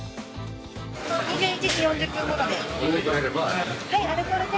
２１時４０分ごろで。